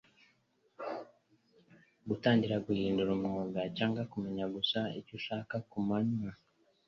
gutangira guhindura umwuga cyangwa kumenya gusa icyo ushaka kumanywa,